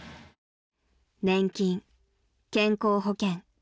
［年金健康保険